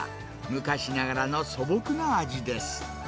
昔ながらの素朴な味です。